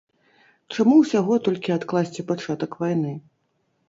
Чаму ўсяго толькі адкласці пачатак вайны?